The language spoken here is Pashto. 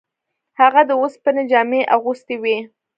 هغه د اوسپنې جامې اغوستې وې.